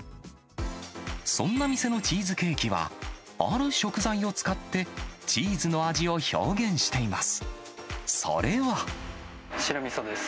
そんな店のチーズケーキは、ある食材を使って、チーズの味を表現しています。